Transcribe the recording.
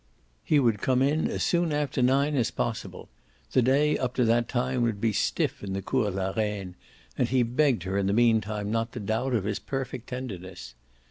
He would come in as soon after nine as possible; the day up to that time would be stiff in the Cours la Reine, and he begged her in the meantime not to doubt of his perfect tenderness.